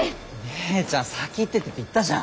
姉ちゃん先行っててって言ったじゃん。